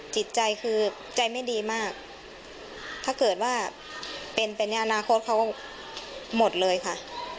จิตใจคือใจไม่ดีมากถ้าเกิดว่าเป็นไปในอนาคตเขาหมดเลยค่ะ